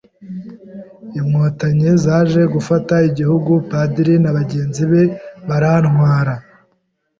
Inkotanyi zaje gufata igihugu Padiri na bagenzi be barantwara